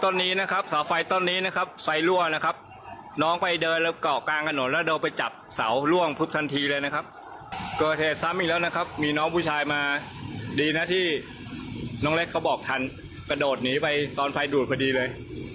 ดีนะที่น้องเล็กเค้าบอกทันประโดดหนีไปตอนไฟดูดพอดีเลย